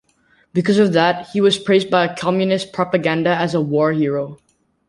Because of that, he was praised by communist propaganda as a war hero.